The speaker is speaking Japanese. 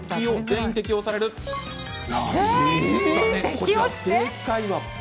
こちら、正解は×。